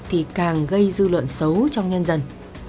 thì càng gây dư luận xấu trong nhân dân